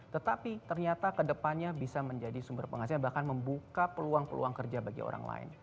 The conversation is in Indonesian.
tetapi ternyata kedepannya bisa menjadi sumber penghasilan bahkan membuka peluang peluang kerja bagi orang lain